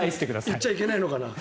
言っちゃいけないのかな。